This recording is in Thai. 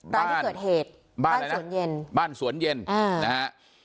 ร้านที่เกิดเหตุบ้านสวนเย็นบ้านสวนเย็นอ่านะฮะ